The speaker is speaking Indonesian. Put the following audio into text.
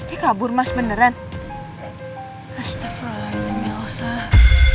ini kabur mas beneran astagfirullahaladzim ya allah